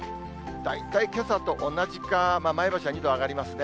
大体けさと同じか、前橋は２度上がりますね。